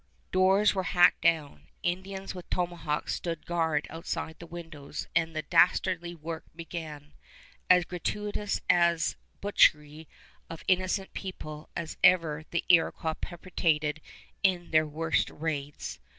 Doors were hacked down. Indians with tomahawks stood guard outside the windows, and the dastardly work began, as gratuitous a butchery of innocent people as ever the Iroquois perpetrated in their worst raids.